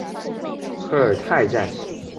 科尔泰站